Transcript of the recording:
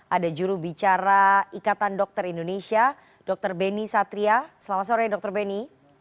ada jurubicara ikatan dokter indonesia dr beni satria selamat sore dr beni